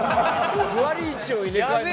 座り位置を入れ替えるのかと。